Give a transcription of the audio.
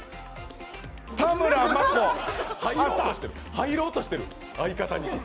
入ろうとしてる、相方に。